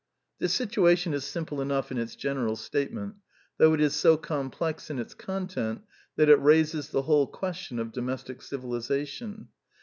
This situation is simple enough in its general statenient, though it is so complex in its content that it raises the whole question of domestic civilization.